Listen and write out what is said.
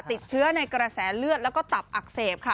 ติดเชื้อในกระแสเลือดแล้วก็ตับอักเสบค่ะ